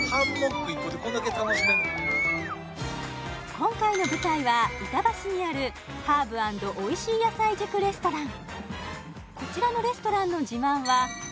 今回の舞台は板橋にあるハーブ＆おいしい野菜塾レストラン